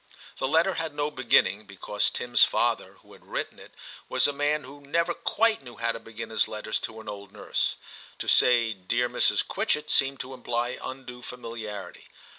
The letter had no beginning, because Tim*s father, who had written it, was a man who never quite knew how to begin his letters to an old nurse. To say * Dear Mrs. Quitchett' seemed to imply undue familiarity.